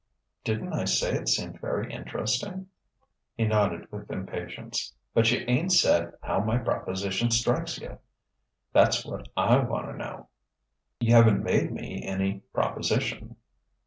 "Didn't I say it seemed very interesting?" He nodded with impatience. "But you ain't said how my proposition strikes you. That's what I want to know." "You haven't made me any proposition."